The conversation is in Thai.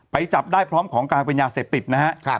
ไปจับได้พร้อมของการปริญญาเสพติดนะฮะ